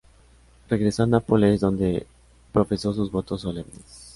Regresó a Nápoles, donde profesó sus votos solemnes.